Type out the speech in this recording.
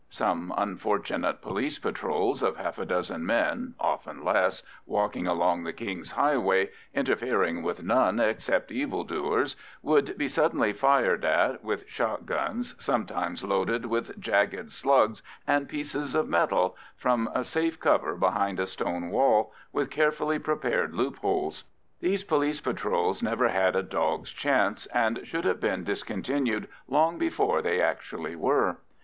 Some unfortunate police patrols of half a dozen men, often less, walking along the King's highway, interfering with none except evil doers, would be suddenly fired at with shot guns, sometimes loaded with jagged slugs and pieces of metal, from a safe cover behind a stone wall with carefully prepared loopholes. These police patrols never had a dog's chance, and should have been discontinued long before they actually were.